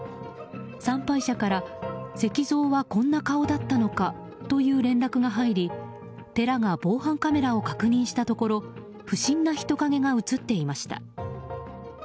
参拝者から石像はこんな顔だったのかという連絡が入り寺が防犯カメラを確認したところ不審な人影が映っていました。